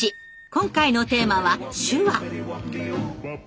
今回のテーマは「手話」！